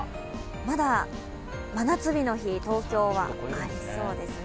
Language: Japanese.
まだ真夏日の日、東京はありそうですね。